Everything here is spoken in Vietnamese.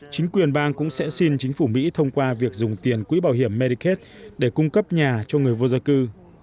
chính quyền bang cũng sẽ xin chính phủ mỹ thông qua việc dùng tiền quỹ bảo hiểm mericate để cung cấp nhà cho người vô gia cư